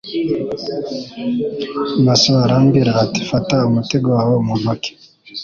Mason arambwira ati Fata umutego wawe mu ntoki